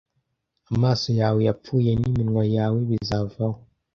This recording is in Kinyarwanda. Amaso yawe yapfuye n'iminwa yawe bizavaho,